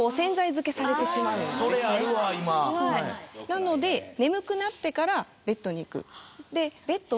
なので眠くなってからベッドに行く。